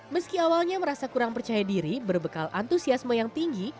meski awalnya merasa kurang percaya diri berbekal antusiasme yang tinggi